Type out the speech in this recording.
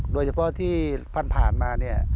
โดยเฉพาะที่พันธุ์ผ่านมา